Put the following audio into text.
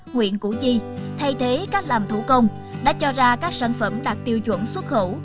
huyện củ chi thay thế các làm thủ công đã cho ra các sản phẩm đạt tiêu chuẩn xuất khẩu